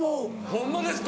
ホンマですか。